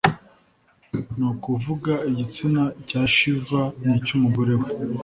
ni ukuvuga igitsina cya shiva n’icy’umugore we